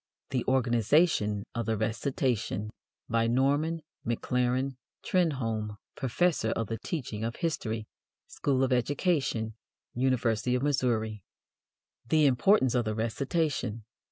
The Organization of the Recitation BY NORMAN MACLAREN TRENHOLME, PROFESSOR OF THE TEACHING OF HISTORY, SCHOOL OF EDUCATION, UNIVERSITY OF MISSOURI. The Importance of the Recitation.